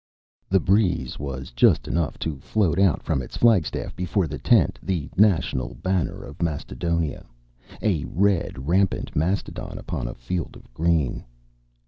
The breeze was just enough to float out from its flagstaff before the tent the national banner of Mastodonia a red rampant mastodon upon a field of green.